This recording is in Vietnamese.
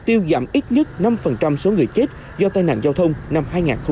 tiêu giảm ít nhất năm số người chết do tai nạn giao thông năm hai nghìn hai mươi